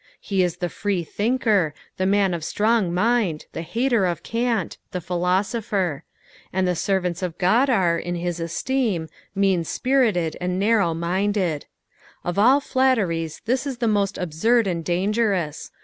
He is the free thinker, the man of strong mind, the hater of cant, the philosopher : and the servants of God are, in his esteem, mean spirited and narrow minded. Of all flatteries this is the most absurd and dangerous.